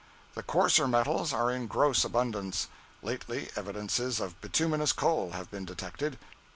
The coarser metals are in gross abundance. Lately evidences of bituminous coal have been detected.